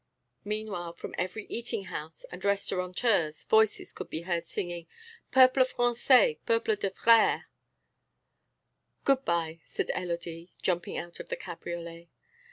Meanwhile, from every eating house and restaurateur's voices could be heard singing: Peuple français, peuple de frères!... "Good bye," said Élodie, jumping out of the cabriolet.